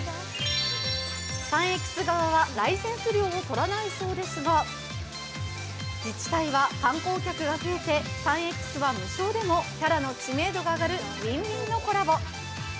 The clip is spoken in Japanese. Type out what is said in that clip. サンエックス側はライセンス料を取らないそうですが、自治体は観光客が増えてサンエックスは無償でもキャラの知名度が上がるＷｉｎ−Ｗｉｎのコラボ。